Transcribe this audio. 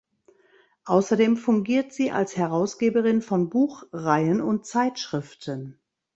Außerdem fungiert sie als Herausgeberin von Buchreihen und Zeitschriften.